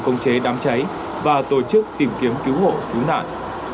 khống chế đám cháy và tổ chức tìm kiếm cứu hộ cứu nạn